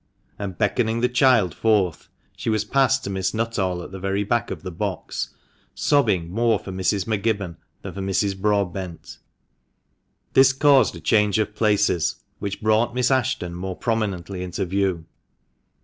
and beckoning the child forth, she was passed to Miss Nuttall at the very back of the box, sobbing more for Mrs. M'Gibbon than for Mrs. Broadbent. 218 THE MANCHESTER MAN. This caused a change of places, which brought Miss Ashton more prominently into view.